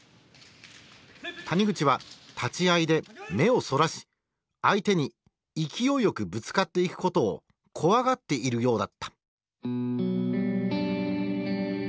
谷口は立ち合いで目をそらし相手に勢いよくぶつかっていくことを怖がっているようだった。